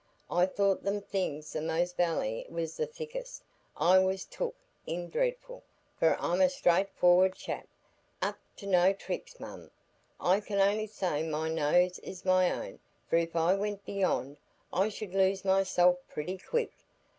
I thought them things the most vally as was the thickest. I was took in dreadful, for I'm a straightforrard chap,—up to no tricks, mum. I can only say my nose is my own, for if I went beyond, I should lose myself pretty quick.